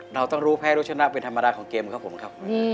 เราต้องรู้แพ้ว่าจะหนักเป็นธรรมดาของเกมครับค่ะ